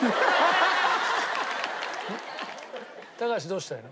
高橋どうしたいの？